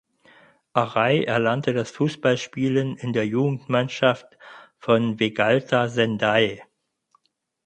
Arai erlernte das Fußballspielen in der Jugendmannschaft von Vegalta Sendai.